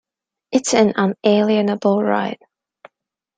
It's an unalienable right.